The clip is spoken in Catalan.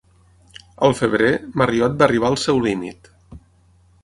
Al febrer, Marriott va arribar al seu límit.